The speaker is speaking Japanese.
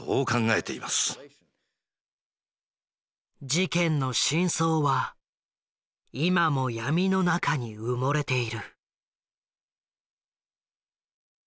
事件の真相は今も闇の中に埋もれている。